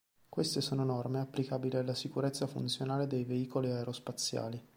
Queste sono norme applicabili alla sicurezza funzionale dei veicoli aerospaziali.